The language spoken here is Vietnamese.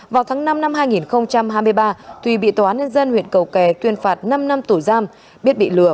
vào tháng năm năm hai nghìn hai mươi ba thùy bị tòa án nhân dân huyện cầu kè tuyên phạt năm năm tù giam biết bị lừa